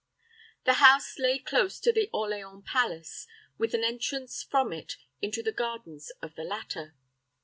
The house lay close to the Orleans palace, with an entrance from it into the gardens of the latter.